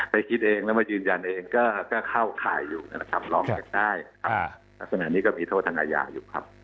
คิดเองแล้วมายืนยันเองก็เข้าข่ายอยู่นะครับร้องกันได้ครับลักษณะนี้ก็มีโทษทางอาญาอยู่ครับ